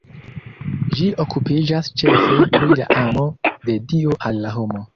Ĝi okupiĝas ĉefe pri la amo de Dio al la homo.